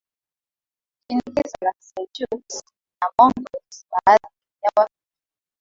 shinikizo la Seljuks na Mongols Baadhi ya Waturuki